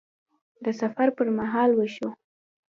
د سفر پر مهال وشو